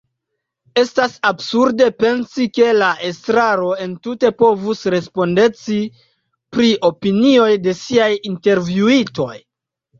Estas absurde pensi ke la estraro entute povus respondeci pri opinioj de “siaj” intervjuitoj.